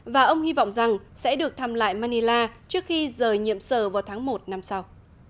và ông hy vọng rằng sẽ được thăm lại manila trước khi rời nhiệm sở vào tháng một năm sau